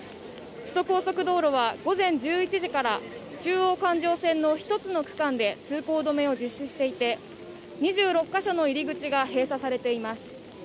首都高速道路はは午前１１時から中央環状線の１つの区間で通行止めを実施していて２６か所の入り口が閉鎖されています。